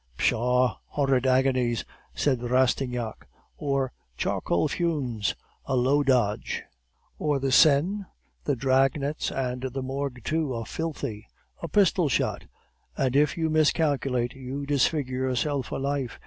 "'Pshaw! horrid agonies,' said Rastignac. "'Or charcoal fumes?' "'A low dodge.' "'Or the Seine?' "'The drag nets, and the Morgue too, are filthy.' "'A pistol shot?' "'And if you miscalculate, you disfigure yourself for life.